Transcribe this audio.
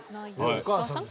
お母さん？